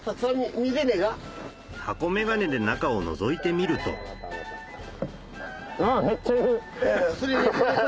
箱眼鏡で中をのぞいてみるとあっめっちゃいる！